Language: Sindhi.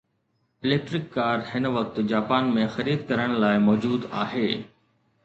اليڪٽرڪ ڪار هن وقت جاپان ۾ خريد ڪرڻ لاءِ موجود آهي